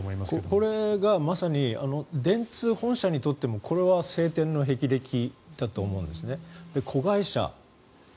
これがまさに電通本社にとってもこれは青天のへきれきだと思うんですね。